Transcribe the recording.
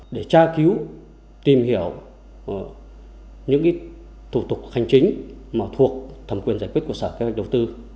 để tra cứu tìm hiểu những thủ tục hành chính mà thuộc thẩm quyền giải quyết của sở kế hoạch đầu tư